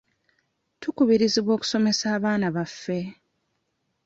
Tukubirizibwa okusomesa abaana baffe.